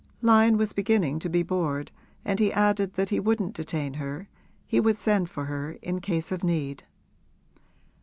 Lyon was beginning to be bored and he added that he wouldn't detain her he would send for her in case of need.